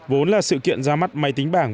vốn là sự kiện ra mắt máy tính bảng